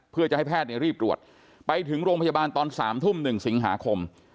เพื่อจะให้แพทย์เนี่ยรีบตรวจไปถึงโรงพยาบาลตอนสามทุ่มหนึ่งสิงหาคม